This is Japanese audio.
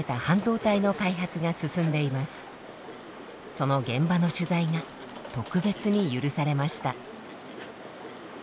その現場の取材が特別に許されました。